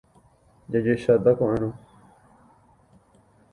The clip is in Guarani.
Jajuecháta ko'ẽrõ.